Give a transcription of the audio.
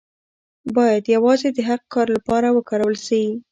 باید یوازې د حق لپاره وکارول شي.